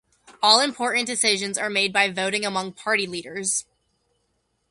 All important decisions are made by voting among party leaders.